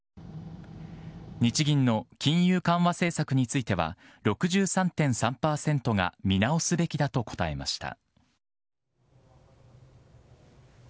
日銀の金融緩和政策については６３．３％が見直すべきだと答えました。